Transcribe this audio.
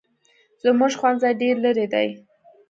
زموږ ښوونځی ډېر لري دی